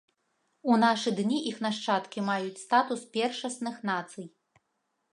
У нашы дні іх нашчадкі маюць статус першасных нацый.